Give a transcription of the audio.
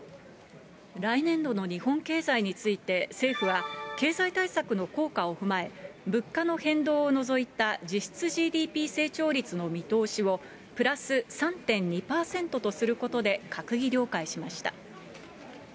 来年度の日本経済について、政府は、経済対策の効果を踏まえ、物価の変動を除いた実質ＧＤＰ成長率の見通しを、プラス３．２％とすることで閣議了解しました。